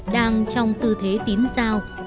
đang trong tư thế tín giao